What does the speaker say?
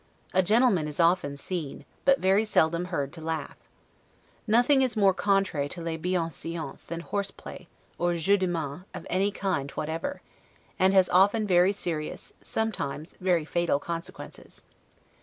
A gentleman is often seen, but very seldom heard to laugh. Nothing is more contrary to 'les bienseances' than horse play, or 'jeux de main' of any kind whatever, and has often very serious, sometimes very fatal consequences.